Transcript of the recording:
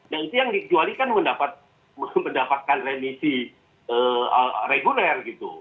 nah itu yang dikecualikan mendapatkan remisi reguler gitu